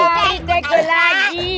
cari tegok lagi